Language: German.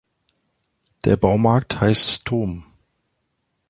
Der Baumarkt heißt Toom.